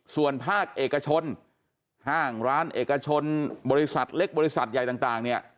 ส่วนภาคเอกชนห้างร้านเอกชนบริษัทเล็กบริษัทใหญ่ต่างเนี่ย